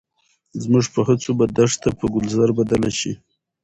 زموږ په هڅو به دښته په ګلزار بدله شي.